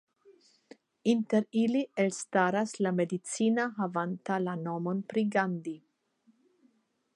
Inter ili elstaras la medicina havanta la nomon pri Gandhi.